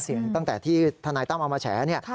ตั้งแต่ที่ทนายตั้มเอามาแฉ